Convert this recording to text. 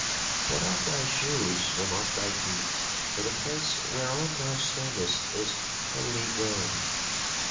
'Put off thy shoes from off thy feet, for the place whereon thou standest is holy ground.